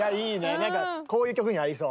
なんかこういう曲に合いそう。